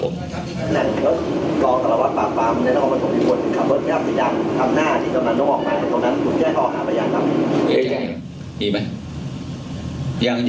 มีมั้ย